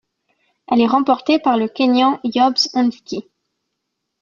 Elle est remportée par le Kényan Yobes Ondieki.